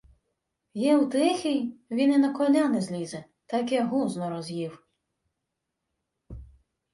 — Єутихій? Він і на коня не злізе, таке гузно роз'їв.